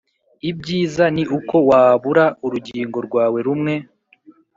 Ibyiza ni uko wabura urugingo rwawe rumwe